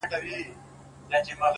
o اوس د شپې سوي خوبونه زما بدن خوري ـ